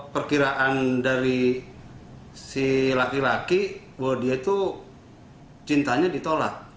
perkiraan dari si laki laki bahwa dia itu cintanya ditolak